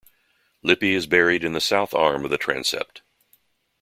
Lippi is buried in the south arm of the transept.